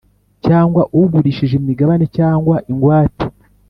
Cyangwa ugurishije imigabane cyangwa ingwate